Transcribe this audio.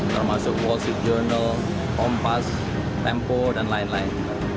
termasuk wall street journal kompas tempo dan lain lain